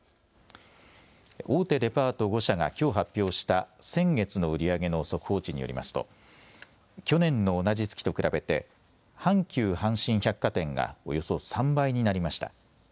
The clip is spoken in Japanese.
大手デパート５社がきょう発表した先月の売り上げの速報値によりますと去年の同じ月と比べて阪急阪神百貨店がおよそ３倍になりました。